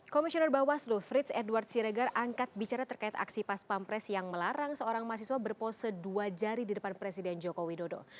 komisioner bawaslu frits edward siregar angkat bicara terkait aksi pas pampres yang melarang seorang mahasiswa berpose dua jari di depan presiden joko widodo